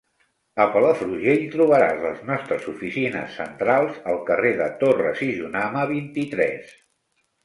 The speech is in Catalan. A Palafrugell trobaràs les nostres oficines centrals al carrer de Torres i Jonama, vint-i-tres.